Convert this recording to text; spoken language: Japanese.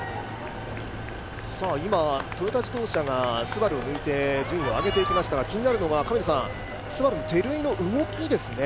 今、トヨタ自動車がＳＵＢＡＲＵを抜いて順位を上げていきましたが気になるのはＳＵＢＡＲＵの照井の動きですね。